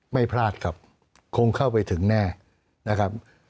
ไม่พลาดครับคงเข้าไปถึงแน่นะครับ